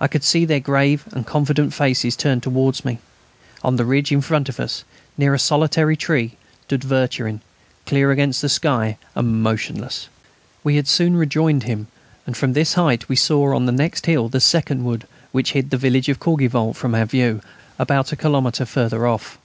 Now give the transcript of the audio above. I could see their grave and confident faces turned towards me. On the ridge in front of us, near a solitary tree, stood Vercherin, clear against the sky and motionless. We had soon rejoined him, and from this height we saw on the next hill the second wood which hid the village of Courgivault from our view, about a kilometre further off.